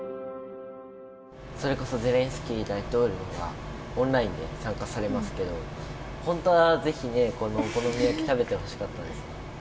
それこそゼレンスキー大統領が、オンラインで参加されますけど、本当はぜひね、このお好み焼き食べてほしかったですね。